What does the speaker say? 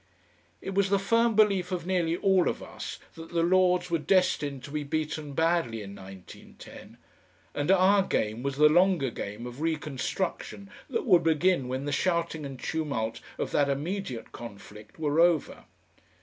It was the firm belief of nearly all of us that the Lords were destined to be beaten badly in 1910, and our game was the longer game of reconstruction that would begin when the shouting and tumult of that immediate conflict were over.